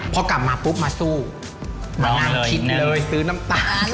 พอกลับมาปุ๊บมาสู้มานั่งคิดเลยซื้อน้ำตาล